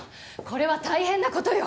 これは大変な事よ！